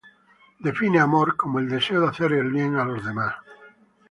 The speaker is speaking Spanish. Define "Amor" como "el deseo de hacer el bien a los demás".